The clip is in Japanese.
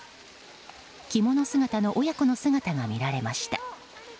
着物姿の親子の姿が見られました。